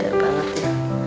bener banget ya